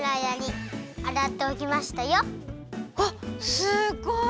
あっすっごい！